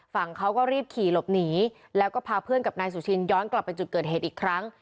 ฝั่งเขาก็รีบขี่หลบหนีแล้วก็พาเพื่อนกับนายสุชินย้อนกลับไปจุดเกิดเหตุอีกครั้ง